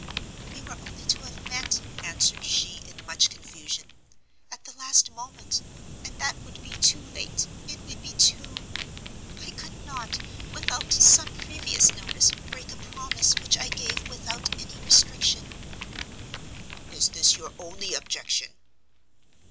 "We were only to have met," answered she, in much confusion, "at the last moment, and that would be too late it would be too I could not, without some previous notice, break a promise which I gave without any restriction." "Is this your only objection?"